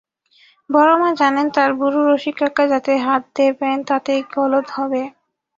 বড়ো মা জানেন তাঁর বুড়ো রসিককাকা যাতে হাত দেবেন তাতেই গলদ হবে।